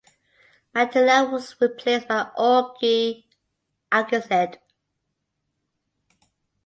Madela was replaced by Ogie Alcasid.